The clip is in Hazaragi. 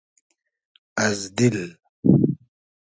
از دیل